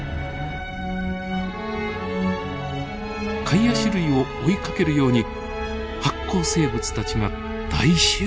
カイアシ類を追いかけるように発光生物たちが大集結。